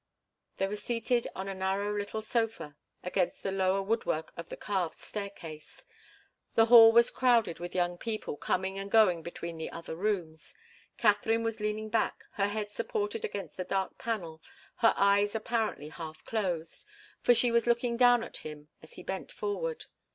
They were seated on a narrow little sofa against the lower woodwork of the carved staircase. The hall was crowded with young people coming and going between the other rooms. Katharine was leaning back, her head supported against the dark panel, her eyes apparently half closed for she was looking down at him as he bent forward.